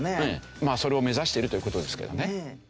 まあそれを目指してるという事ですけどね。